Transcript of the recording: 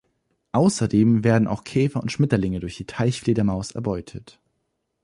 Außerdem werden auch Käfer und Schmetterlinge durch die Teichfledermaus erbeutet.